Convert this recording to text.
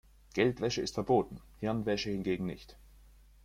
Geldwäsche ist verboten, Hirnwäsche hingegen nicht.